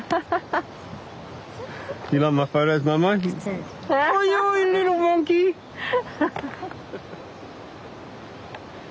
ハハハハハ。